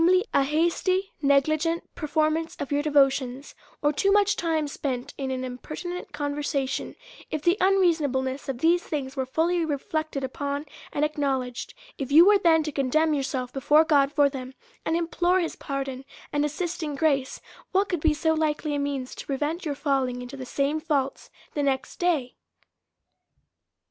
a hasty negligent performance of your devotions, or too much time spent in an impertinent conversation ; ifthe unreasonableness of these things were fully reflect 330 A SERIOUS CALL TO A ed upon J and acknowledged ; if you was then to con demn yourself before God for them^ and implore hig pardon and assisting grace^ what could be so likely a means to prevent your falling into the same faults the next day?